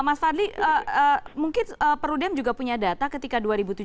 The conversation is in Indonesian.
mas fadli mungkin perudem juga punya data ketika dua ribu tujuh belas